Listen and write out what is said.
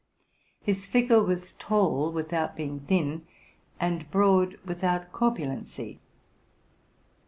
His figure was tall without being thin, and broad without corpulency.